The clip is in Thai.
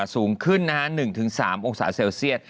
สูงขึ้นนะฮะ๑๓องศาเซลเซียต